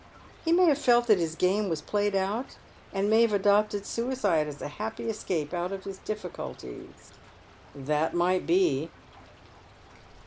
He may have felt that his game was played out, and may have adopted suicide as a happy escape out of his difficulties." " That might be."